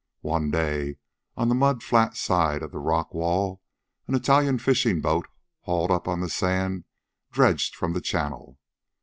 One day, on the mud flat side of the Rock Wall, an Italian fishing boat hauled up on the sand dredged from the channel.